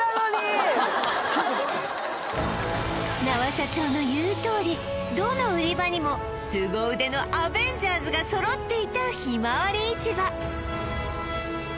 那波社長の言うとおりどの売り場にもスゴ腕のアベンジャーズが揃っていたひまわり市場